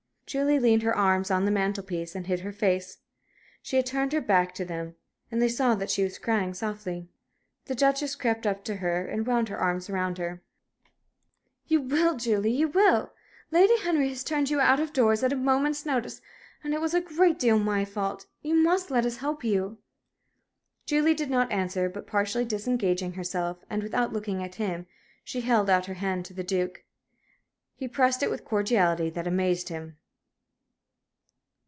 Julie leaned her arms on the mantel piece, and hid her face. She had turned her back to them, and they saw that she was crying softly. The Duchess crept up to her and wound her arms round her. "You will, Julie! you will! Lady Henry has turned you out of doors at a moment's notice. And it was a great deal my fault. You must let us help you!" Julie did not answer, but, partially disengaging herself, and without looking at him, she held out her hand to the Duke. He pressed it with a cordiality that amazed him.